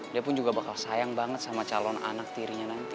dia pun juga bakal sayang banget sama calon anak tirinya nanti